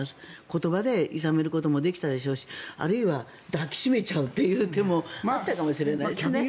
言葉でいさめることもできたでしょうしあるいは抱き締めちゃうという手もあったかもしれないですね。